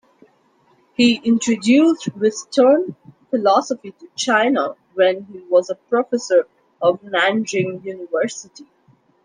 He introduced western philosophy to China when he was a professor of Nanjing University.